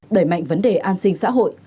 đẩy mạnh vấn đề an sinh xã hội